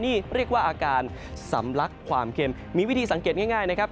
นี่เรียกว่าอาการสำลักความเค็มมีวิธีสังเกตง่ายนะครับ